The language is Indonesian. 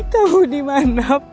kamu dimana bu